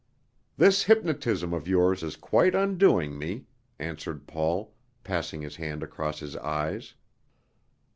"This hypnotism of yours is quite undoing me," answered Paul, passing his hand across his eyes.